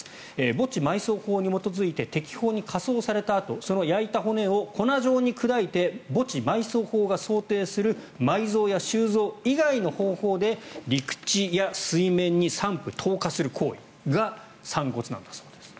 墓地埋葬法に基づいて適法に火葬されたあとその焼いた骨を粉状に砕いて墓地埋葬法が想定する埋蔵や収蔵以外の方法で陸地や水面に散布・投下する行為が散骨なんだそうです。